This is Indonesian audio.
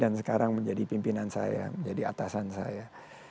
dan sekarang menjadi pimpinan saya menjadi atasan saya